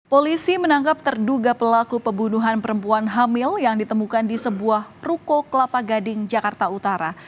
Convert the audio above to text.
polisi menangkap terduga pelaku pembunuhan perempuan hamil yang ditemukan di sebuah ruko kelapa gading jakarta utara